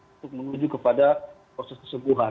untuk menuju kepada proses kesembuhan